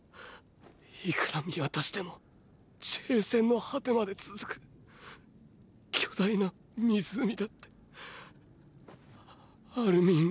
いくら見渡しても地平線の果てまで続く巨大な湖だってアルミンが。